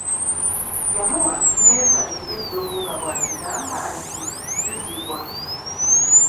Yamuwa emmeeza ey'eddogo nga bw'agigamba nti Jjuzibwa.